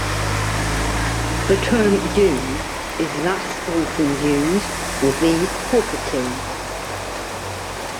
The term "youth" is less often used with these properties.